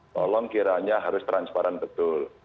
tolong kiranya harus transparan betul